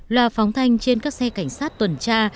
loa phóng thanh trên các xe cảnh sát tuần tra